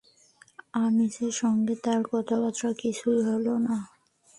আনিসের সঙ্গে তার কথাবার্তা কিছু হলো না।